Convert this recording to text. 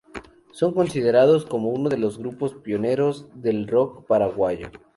Son considerados como uno de los grupos pioneros del rock paraguayo.